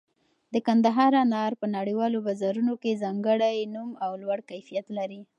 د کندهار انار په نړیوالو بازارونو کې ځانګړی نوم او لوړ کیفیت لري.